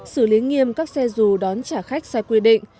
xử lý nghiêm các xe dù đón trả khách sai quy định